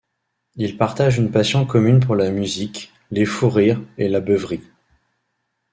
Ils partagent une passion commune pour la musique, les fous rires… et la beuverie.